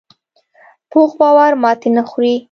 پوخ باور ماتې نه خوري